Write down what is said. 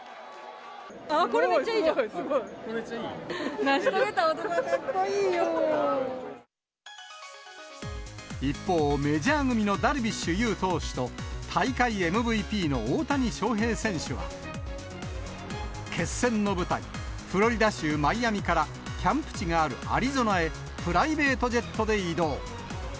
あー、これ、めっちゃいいじゃん。一方、メジャー組のダルビッシュ有投手と、大会ＭＶＰの大谷翔平選手は、決戦の舞台、フロリダ州マイアミからキャンプ地があるアリゾナへ、プライベートジェットで移動。